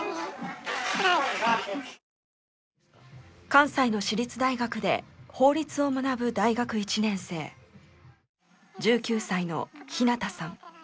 関西の私立大学で法律を学ぶ大学１年生１９歳のひなたさん。